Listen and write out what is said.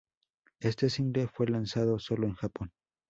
Este single fue lanzado sólo en Japón.